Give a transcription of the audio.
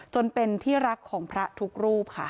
จนเป็นที่รักของพระทุกรูปค่ะ